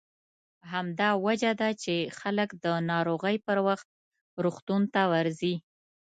همدا وجه ده چې خلک د ناروغۍ پر وخت روغتون ته ورځي.